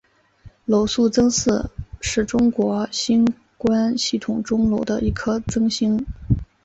娄宿增四是中国星官系统中娄的一颗增星。